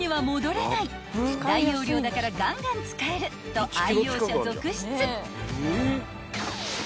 ［と愛用者続出］